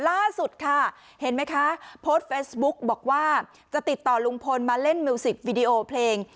ล่าสุดค่ะเห็นไหมคะโพสต์เฟซบุ๊กบอกว่าจะติดต่อลุงพลมาเล่นมิวสิกวิดีโอเพลง